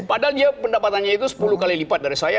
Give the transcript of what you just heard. padahal dia pendapatannya itu sepuluh kali lipat dari saya